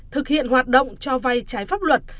thực hiện hoạt động cho vay trái pháp luật